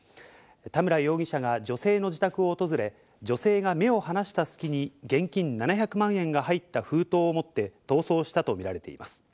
田村容疑者が女性の自宅を訪れ、女性が目を離した隙に現金７００万円が入った封筒を持って逃走したとみられています。